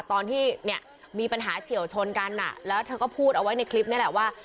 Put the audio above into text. ตอนที่เนี่ยมีปัญหาเฉียวชนกันอ่ะแล้วเธอก็พูดเอาไว้ในคลิปนี่แหละว่า